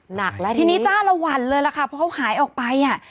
หนักแล้วทีนี้จ้าละวันเลยล่ะค่ะเพราะเขาหายออกไปอ่ะ